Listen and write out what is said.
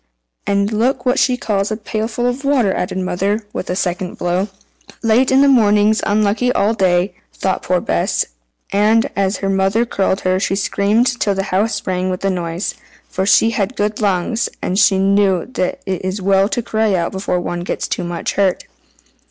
"And look what she calls a pailful of water!" added the mother, with a second blow. "Late in the morning's unlucky all day," thought poor Bess, and, as her mother curled her, she screamed till the house rang with the noise; for she had good lungs, and knew that it is well to cry out before one gets too much hurt.